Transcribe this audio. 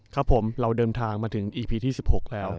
ครับผมเราเดินทางมาถึงอีพีที่๑๖แล้ว